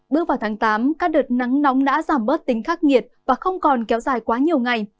bước vào tháng tám các đợt nắng nóng đã giảm bớt tính khắc nghiệt và không còn kéo dài quá nhiều ngày